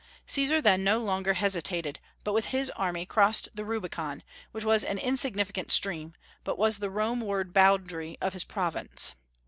Caesar then no longer hesitated, but with his army crossed the Rubicon, which was an insignificant stream, but was the Rome ward boundary of his province.